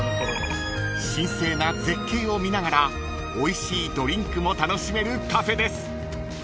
［神聖な絶景を見ながらおいしいドリンクも楽しめるカフェです］